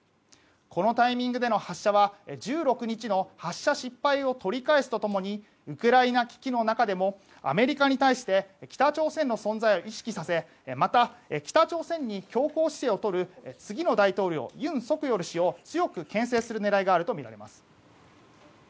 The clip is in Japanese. このタイミングでの発射は１６日の発射失敗を取り返すと共にウクライナ危機の中でもアメリカに対して北朝鮮の存在を意識させまた北朝鮮に強硬姿勢をとる次の大統領、尹錫悦氏を強く牽制する狙いがあるとみられます。